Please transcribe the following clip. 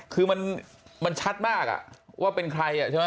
คือมันชัดมากว่าเป็นใคร